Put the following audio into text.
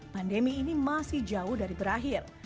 pandemi ini masih jauh dari berakhir